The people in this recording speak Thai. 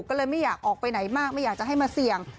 ก็เลยไม่อยากออกไปไหนมากไม่อยากจะให้มาเสี่ยง